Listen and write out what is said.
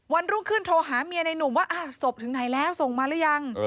รุ่งขึ้นโทรหาเมียในหนุ่มว่าศพถึงไหนแล้วส่งมาหรือยัง